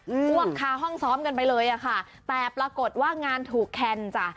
พวกคาห้องซ้อมกันไปเลยอ่ะค่ะแต่ปรากฏว่างานถูกแคนจ้ะ